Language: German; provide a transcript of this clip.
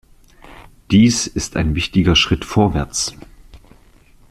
Dies ist ein wichtiger Schritt vorwärts.